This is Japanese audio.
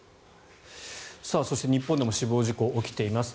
そして日本でも死亡事故が起きています。